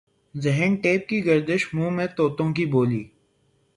ذہن ٹیپ کی گردش منہ میں طوطوں کی بولی